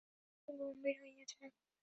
জয়া একটু গম্ভীর হইয়া যায়।